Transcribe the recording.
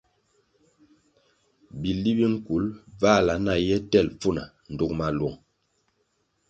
Bili bi nkul bvãhla na ye tel pfuna dug maluong.